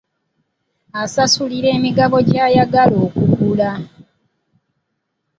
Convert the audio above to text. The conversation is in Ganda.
Asasulira emigabo gy'ayagala okugula.